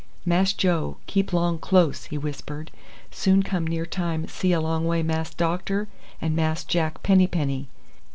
"Mass Joe keep long close," he whispered. "Soon come near time see along way Mass doctor and Mass Jack Penny Penny."